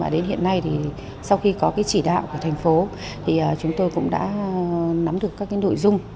đến hiện nay thì sau khi có chỉ đạo của thành phố thì chúng tôi cũng đã nắm được các nội dung